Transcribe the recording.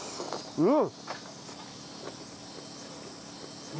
うん！